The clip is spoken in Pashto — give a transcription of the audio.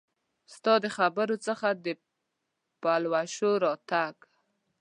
ستا د خبرو څخه د پلوشو د راتګ